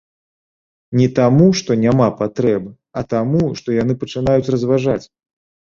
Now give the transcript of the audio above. Не таму, што няма патрэбы, а таму, што яны пачынаюць разважаць.